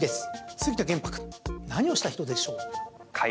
杉田玄白、何をした人でしょう？